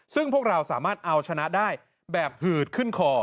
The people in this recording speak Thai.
ซึ่งพวกเราสามารถเอาชนะได้แบบหืดขึ้นคอ